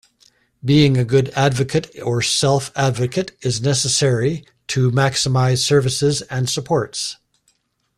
Being a good advocate or self advocate is necessary to maximize services and supports.